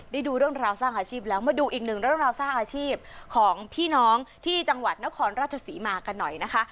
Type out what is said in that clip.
ดูเรื่องราวสร้างอาชีพแล้วมาดูอีกหนึ่งเรื่องราวสร้างอาชีพของพี่น้องที่จังหวัดนครราชศรีมากันหน่อยนะคะ